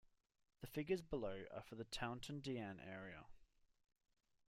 The figures below are for the Taunton Deane area.